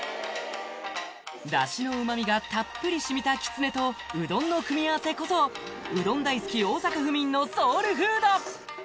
ダシの旨味がたっぷりしみたきつねとうどんの組み合わせこそうどん好き大阪府民のソウルフード